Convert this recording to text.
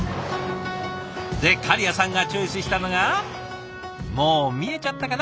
で狩屋さんがチョイスしたのがもう見えちゃったかな。